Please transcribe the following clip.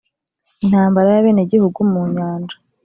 intambara y'abenegihugu mu nyanja